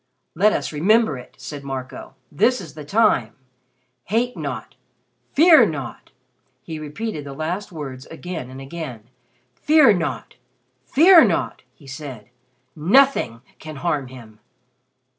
"Let us remember it," said Marco. "This is the time. 'Hate not. Fear not!'" He repeated the last words again and again. "Fear not! Fear not," he said. "Nothing can harm him."